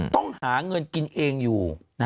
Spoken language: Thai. ต้องหาเงินกินเองอยู่